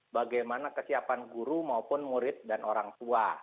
bagaimana kesiapan guru maupun murid dan orang tua